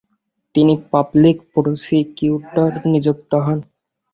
তিনি public prosecutor নিযুক্ত হন।